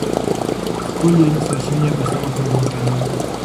خپلې سرچینې په سمه توګه وکاروئ.